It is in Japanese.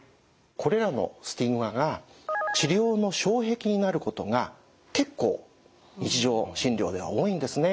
これらのスティグマが治療の障壁になることが結構日常診療では多いんですね。